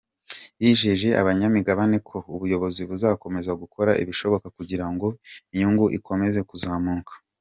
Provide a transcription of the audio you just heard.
Yijeje abanyamigabane ko ubuyobozi buzakomeza gukora ibishoboka kugira ngo inyungu ikomeze kuzamuka.